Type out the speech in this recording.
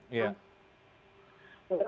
ini yang terakhir